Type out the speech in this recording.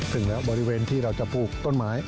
ถึงแล้วบริเวณที่เราจะปลูกต้นไม้